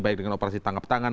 baik dengan operasi tangkap tangan